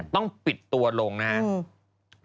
ต้องปิดตัวลงนะครับ